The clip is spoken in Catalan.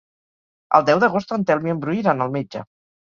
El deu d'agost en Telm i en Bru iran al metge.